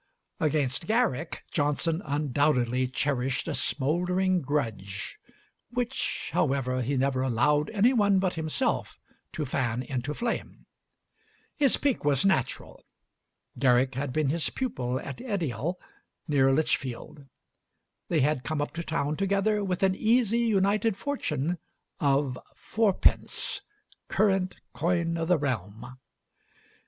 Against Garrick, Johnson undoubtedly cherished a smoldering grudge, which, however, he never allowed any one but himself to fan into flame. His pique was natural. Garrick had been his pupil at Edial, near Lichfield; they had come up to town together with an easy united fortune of fourpence "current coin o' the realm."